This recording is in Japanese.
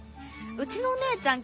うちのお姉ちゃん